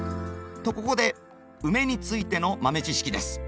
とここでウメについての豆知識です。